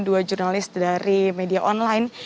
dua jurnalis dari media online